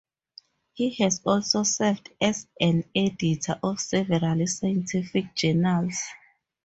He has also served as an Editor of several scientific journals.